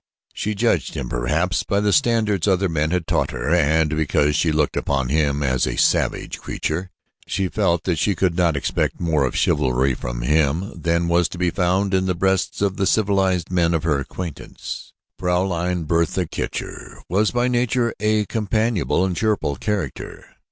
She judged him perhaps by the standards other men had taught her and because she looked upon him as a savage creature, she felt that she could not expect more of chivalry from him than was to be found in the breasts of the civilized men of her acquaintance. Fraulein Bertha Kircher was by nature a companionable and cheerful character.